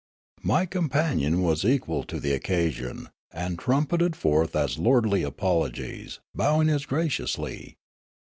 My companion was equal to the occasion, and trumpeted forth as lordly apologies, bowing as graciously.